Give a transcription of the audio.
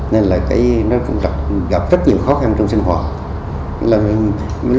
nên là nó gặp rất nhiều khó khăn trong sinh hoạt